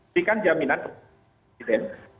berikan jaminan kepada presiden